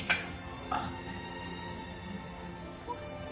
あっ。